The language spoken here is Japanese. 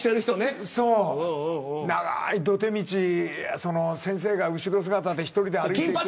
長い土手道先生が後ろ姿で１人で歩いて。